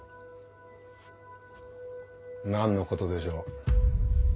「何のことでしょう？」。